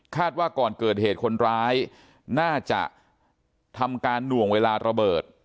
ว่าก่อนเกิดเหตุคนร้ายน่าจะทำการหน่วงเวลาระเบิด